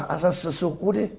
asal sesuku deh